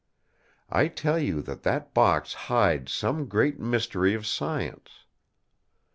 I tell you that that box hides some great mystery of science.